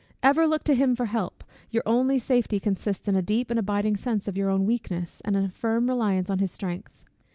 Ever look to him for help: your only safety consists in a deep and abiding sense of your own weakness, and in a firm reliance on his strength.